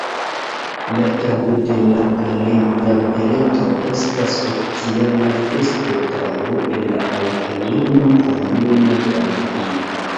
La Tago de la Galega Beletro estas oficiala festotago en la aŭtonoma komunumo Galegio.